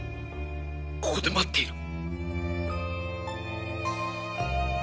ここで待っている。